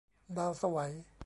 ดาวไสว